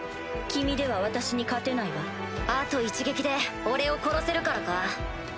君では私に勝てないわあと一撃で俺を殺せるからか？